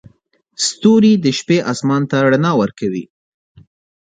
ستوري د شپې اسمان ته رڼا ورکوي.